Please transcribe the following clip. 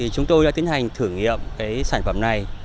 chúng tôi đã tiến hành thử nghiệm sản phẩm này